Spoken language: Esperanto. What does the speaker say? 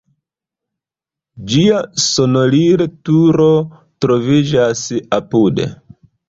Ĝia sonorilturo troviĝas apude.